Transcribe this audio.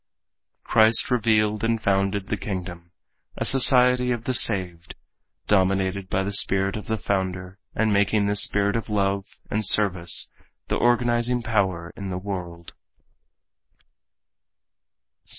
Christ revealed and founded the Kingdom, a society of the saved, dominated by the spirit of the founder and making this spirit of love and service the organizing power in the world.